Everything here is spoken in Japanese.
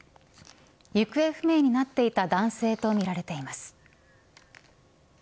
行方不明となっていた男性とみられています。